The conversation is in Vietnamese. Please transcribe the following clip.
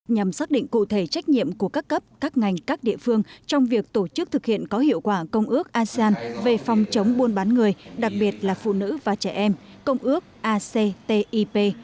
nhằm xác định cụ thể trách nhiệm của các cấp các ngành các địa phương trong việc tổ chức thực hiện có hiệu quả công ước asean về phòng chống buôn bán người đặc biệt là phụ nữ và trẻ em công ước actip